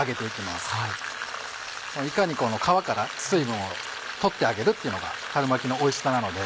いかにこの皮から水分を取ってあげるっていうのが春巻きのおいしさなので。